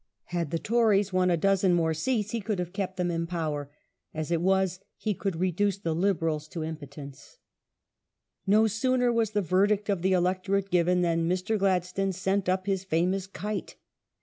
^ Had the Tories won a dozen more seats he could have kept them in power ; as it was he could reduce the Liberals to impotence. Gladstone No sooner was the verdict of the electorate given than Mr. Rule""""^ Gladstone sent up his famous " Kite